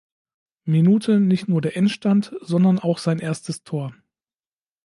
Minute nicht nur der Endstand, sondern auch sein erstes Tor.